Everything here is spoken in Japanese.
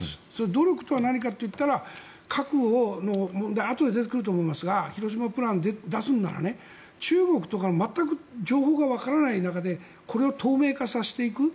努力とは何かといったら核の問題で後で出てくると思いますが広島プランを出すのなら中国とかも全く情報が分からない中で透明化させていく。